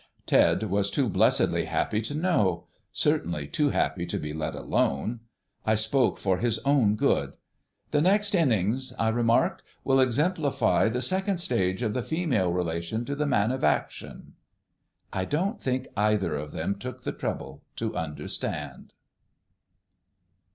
Ted was too blessedly happy to know; certainly too happy to be let alone. I spoke for his own good. "The next innings," I remarked, "will exemplify the second stage of the female relation to the man of action." I don't think either of them took the trouble to understand.